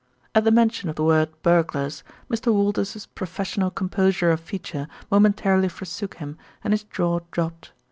At the mention of the word "burglars," Mr. Walters's professional composure of feature momentarily forsook him, and his jaw dropped.